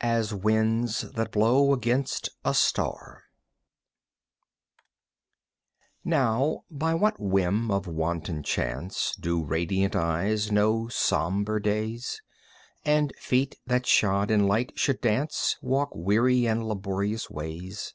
As Winds That Blow Against A Star (For Aline) Now by what whim of wanton chance Do radiant eyes know sombre days? And feet that shod in light should dance Walk weary and laborious ways?